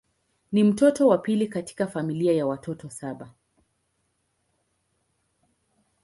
Ni mtoto wa pili katika familia ya watoto saba.